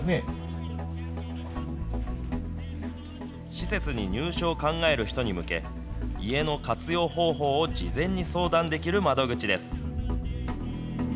施設に入所を考える人に向け、家の活用方法を事前に相談できる窓口です。